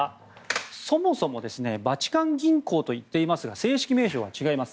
そもそもバチカン銀行と言っていますが正式名称は違います。